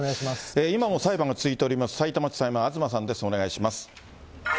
今も裁判が続いております、さいたま地裁前、東さんです、お願いします。